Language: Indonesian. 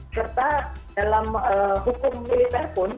serta dalam hukum militer pun